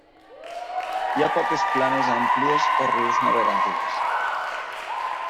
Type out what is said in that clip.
Hi ha poques planes àmplies o rius navegables.